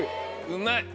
うまい！